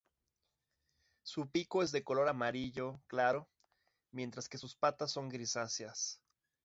Su pico es de color amarillo claro, mientras que sus patas son grisáceas.